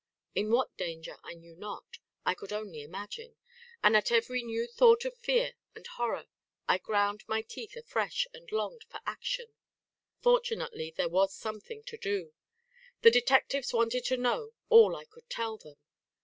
In what danger I knew not, I could only imagine; and at every new thought of fear and horror I ground my teeth afresh and longed for action. Fortunately there was something to do. The detectives wanted to know all I could tell them.